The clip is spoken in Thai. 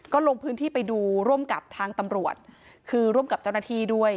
ก็ลงพื้นที่ไปดูร่วมกับทางตำรวจคือร่วมกับเจ้าหน้าที่ด้วย